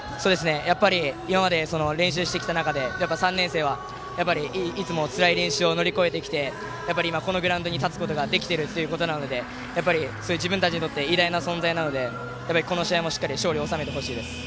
今まで練習してきた中で３年生はいつもつらい練習を乗り越えてきて今、このグラウンドに立つことができているということなので自分たちにとって偉大な存在なのでこの試合もしっかり勝利を収めてほしいです。